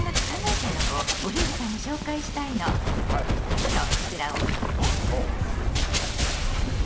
ちょっとこちらを見てね。